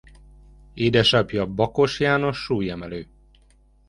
Édesapja Bakos János súlyemelő.